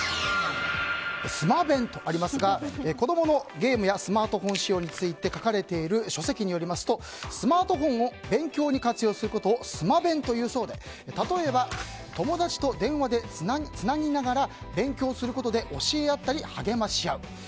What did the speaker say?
スマ勉とありますが子供のゲームやスマートフォン使用について書かれている書籍によりますとスマートフォンを勉強に活用することをスマ勉と言うそうで例えば友達と電話でつなぎながら勉強することで教え合ったり励まし合う。